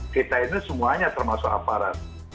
kita ini semuanya termasuk aparat